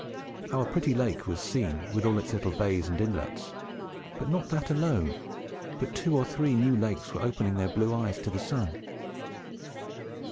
Our pretty lake was seen, with all its little bays and inlets; and not that alone, but two or three new lakes were opening their blue eyes to the sun.